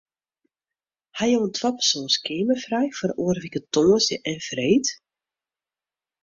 Ha jo in twapersoans keamer frij foar oare wike tongersdei en freed?